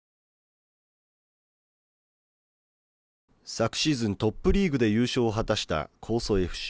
昨シーズン、トップリーグで優勝を果たした「江蘇ＦＣ」。